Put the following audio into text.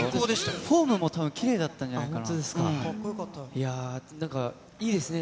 フォームもたぶんきれいだったんじゃないかな。